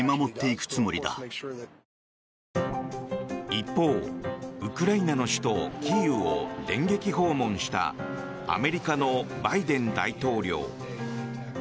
一方ウクライナの首都キーウを電撃訪問したアメリカのバイデン大統領。